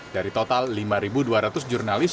dari total lima dua ratus jurnalis